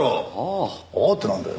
「ああ」ってなんだよ。